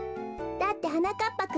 だってはなかっ